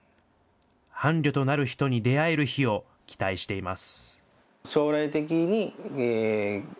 伴侶となる人に出会える日を期待しています。